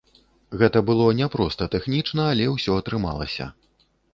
Гэта было няпроста тэхнічна, але ўсё атрымалася.